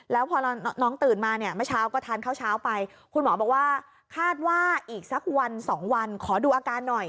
แล้วพอน้องตื่นมาเนี่ยเมื่อเช้าก็ทานข้าวเช้าไปคุณหมอบอกว่าคาดว่าอีกสักวันสองวันขอดูอาการหน่อย